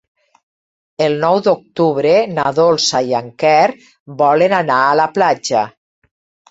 El nou d'octubre na Dolça i en Quer volen anar a la platja.